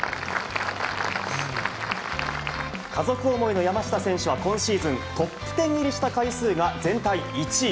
家族思いの山下選手は今シーズン、トップ１０入りした回数は全体１位。